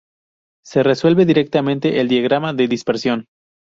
Se resuelve directamente el diagrama de dispersión.